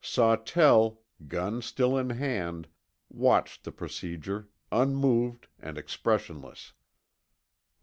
Sawtell, gun still in hand, watched the procedure, unmoved and expressionless.